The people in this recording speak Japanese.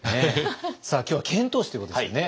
さあ今日は遣唐使ということですよね。